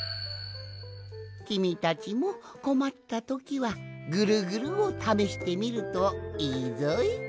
きみたちもこまったときはぐるぐるをためしてみるといいぞい。